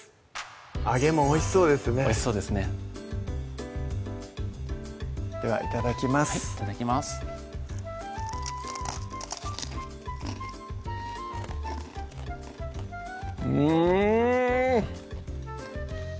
揚げもおいしそうですねおいしそうですねではいただきますいただきますうん！